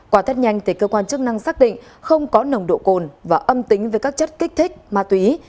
quả thất nhanh thì cơ quan chức năng xác định không có nồng độ cồn và âm tính với các chất kích thích ma túy